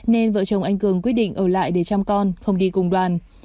nên vợ chồng anh cường quyết định ở lại để chăm con không đi cùng đoàn